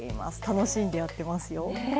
楽しんでやってますよ。